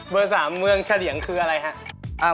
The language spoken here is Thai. ๓เมืองเฉลี่ยงคืออะไรครับ